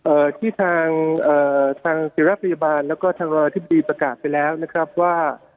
เอ่อที่ทางเอ่อทางศิรัทธิบดีประกาศไปแล้วนะครับว่า